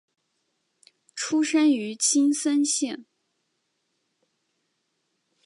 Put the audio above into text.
出身于青森县。